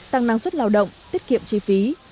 tăng năng suất lào động tiết kiệm chi phí